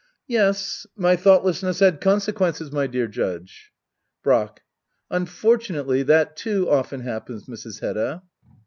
Yes^ my thoughtlessness had consequences^ my dear Judge. Brack. Unfortunately that too often happens^ Mrs. Hedda.